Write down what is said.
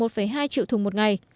một hai triệu thùng một ngày